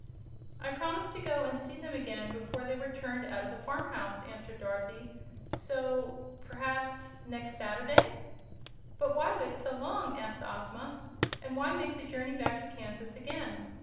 "I promised to go and see them again before they were turned out of the farmhouse," answered Dorothy; "so perhaps next Saturday " "But why wait so long?" asked Ozma. "And why make the journey back to Kansas again?